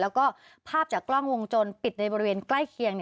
แล้วก็ภาพจากกล้องวงจรปิดในบริเวณใกล้เคียง